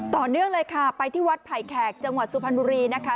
ต่อเนื่องเลยค่ะไปที่วัดไผ่แขกจังหวัดสุพรรณบุรีนะคะ